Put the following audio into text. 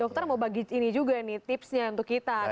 dokter mau bagi ini juga nih tipsnya untuk kita